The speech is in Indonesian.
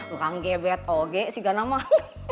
orang gebet oge sih kan amat